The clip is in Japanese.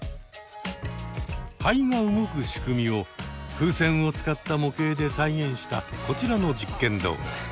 肺が動く仕組みを風船を使った模型で再現したこちらの実験動画。